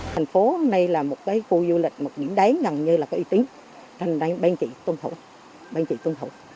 thành phố hôm nay là một khu du lịch đáng gần như là có uy tín nên bên chị tôn thủ